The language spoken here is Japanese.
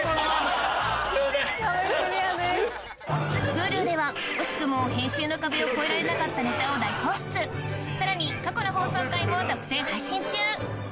Ｈｕｌｕでは惜しくも編集の壁を越えられなかったネタを大放出さらに過去の放送回も独占配信中！